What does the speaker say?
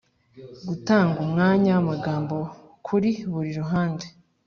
Gutanga umwanya w’amagambo kuri buri ruhande.